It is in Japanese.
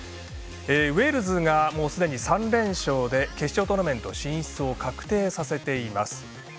ウェールズがもうすでに３連勝で決勝トーナメント進出を確定させています。